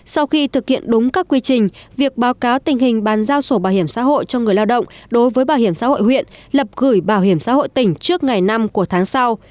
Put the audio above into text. sau khi thực hiện đúng các quy trình việc báo cáo tình hình bàn giao sổ bảo hiểm xã hội cho người lao động đối với bảo hiểm xã hội huyện lập gửi bảo hiểm xã hội tỉnh trước ngày năm của tháng sau